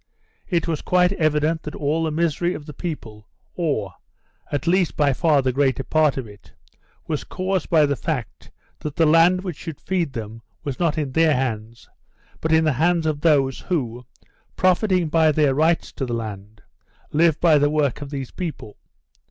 It was quite evident that all the misery of the people or, at least by far the greater part of it, was caused by the fact that the land which should feed them was not in their hands, but in the hands of those who, profiting by their rights to the land, live by the work of these people.